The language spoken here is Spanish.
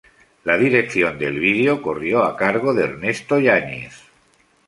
La dirección del video corrió a cargo de Ernesto Yáñez.